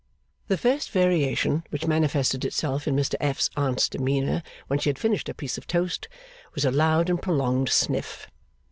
The first variation which manifested itself in Mr F.'s Aunt's demeanour when she had finished her piece of toast, was a loud and prolonged sniff.